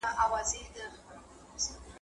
د بازانو له ځاليه ,